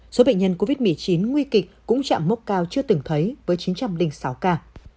số bệnh nhân covid một mươi chín nguy kịch cũng chạm mốc cao chưa từng thấy với chín trăm linh sáu ca